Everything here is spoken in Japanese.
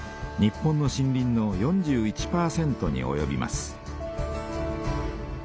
日本の森林の４１％におよびます。